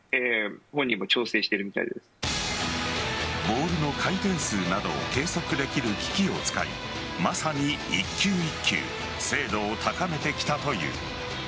ボールの回転数などを計測できる機器を使いまさに一球一球精度を高めてきたという。